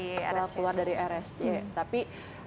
setelah keluar dari rsj tapi